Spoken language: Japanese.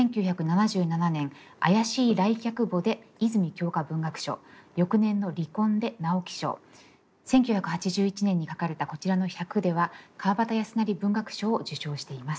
１９７７年「怪しい来客簿」で泉鏡花文学賞翌年の「離婚」で直木賞１９８１年に書かれたこちらの「百」では川端康成文学賞を受賞しています。